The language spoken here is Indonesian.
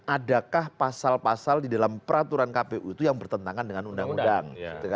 adakah pasal pasal di dalam peraturan kpu itu yang bertentangan dengan undang undang